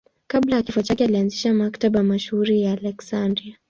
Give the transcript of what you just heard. Kabla ya kifo chake alianzisha Maktaba mashuhuri ya Aleksandria.